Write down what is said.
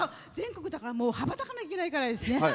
全国だからもう羽ばたかなきゃいけないからですね。